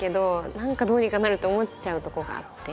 何かどうにかなるって思っちゃうとこがあって。